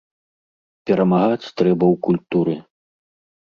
Перамагаць трэба ў культуры.